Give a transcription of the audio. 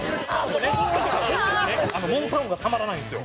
あのモーター音がたまらないんですよ。